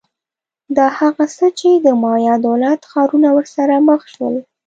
دا هغه څه چې د مایا دولت ښارونه ورسره مخ شول